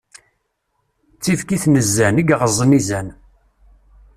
D tibkit n zzan, i yeɣeẓẓen izan.